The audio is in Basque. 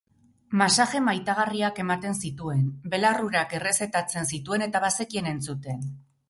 Masaje maitagarriak ematen zituen, belar urak errezetatzen zituen eta bazekien entzuten.